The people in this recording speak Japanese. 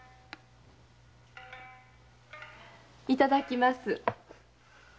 いただきます。